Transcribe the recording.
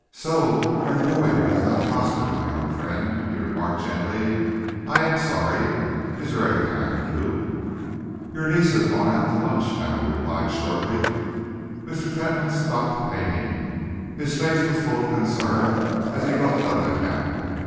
"So your wooing has not prospered, my young friend," he remarked gently. "I am sorry. Is there anything I can do?" "Your niece has gone out to lunch," Hamel replied shortly. Mr. Fentolin stopped painting. His face was full of concern as he looked up at Hamel.